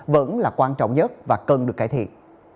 vẫn là quan trọng nhất và cần được cải thiện